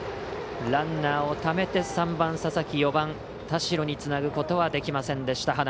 ランナーをためて３番、佐々木４番田代につなぐことはできませんでした。